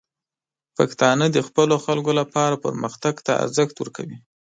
پښتانه د خپلو خلکو لپاره پرمختګ ته ارزښت ورکوي.